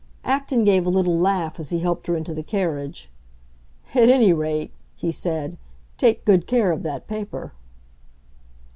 Acton gave a little laugh as he helped her into the carriage. "At any rate," he said, "take good care of that paper."